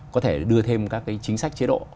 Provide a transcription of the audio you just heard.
có thể đưa thêm các chính sách chế độ